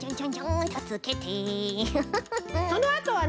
そのあとはね